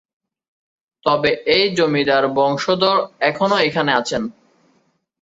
তবে এই জমিদার বংশধর এখনো এখানে আছেন।